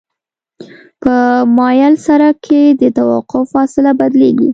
په مایل سرک کې د توقف فاصله بدلیږي